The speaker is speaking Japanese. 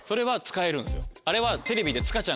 あれは。